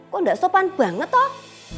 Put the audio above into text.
kok tidak sopan banget toh